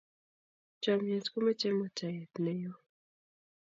chomyet ko mochei muitaiyet neo